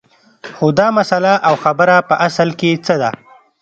خو دا مسله او خبره په اصل کې څه ده